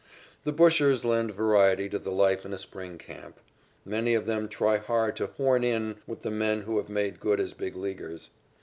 The bushers lend variety to the life in a spring camp. Many of them try hard to "horn in" with the men who have made good as Big Leaguers.